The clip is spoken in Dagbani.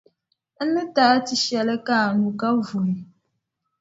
N ni ti a tiʼshɛli ka a nyu, ka vuhi.